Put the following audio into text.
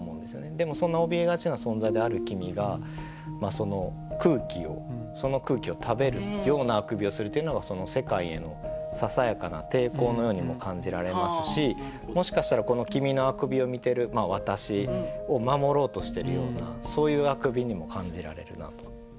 でもそんなおびえがちな存在である「きみ」がその空気を食べるようなあくびをするというのがその「せかい」へのささやかな抵抗のようにも感じられますしもしかしたら「きみ」のあくびを見てる私を守ろうとしてるようなそういうあくびにも感じられるなと。